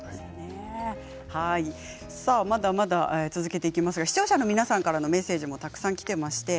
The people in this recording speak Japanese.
まだまだ続けていきますが視聴者の皆さんからのメッセージ、たくさんきています。